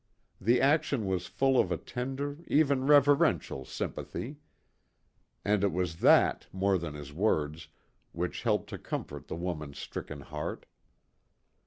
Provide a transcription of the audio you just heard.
The action was full of a tender, even reverential sympathy. And it was that, more than his words, which helped to comfort the woman's stricken heart.